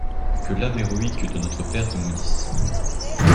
Que l'âme héroïque de notre père te maudisse!